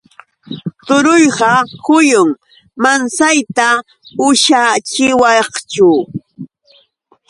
Turuyqa huyum. ¿Mansayta ushachiwaqchu?